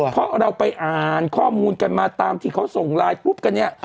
เพราะเราไปอ่านข้อมูลกันมาตามที่เขาส่งไลน์กรุ๊ปกันเนี่ย